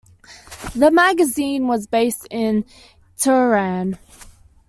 The magazine was based in Tehran.